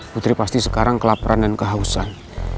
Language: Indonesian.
putri pasti sekarang kelaparan dan kehausan